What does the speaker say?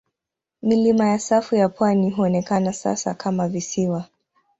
Milima ya safu ya pwani huonekana sasa kama visiwa.